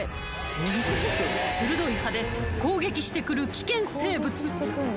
［鋭い歯で攻撃してくる危険生物］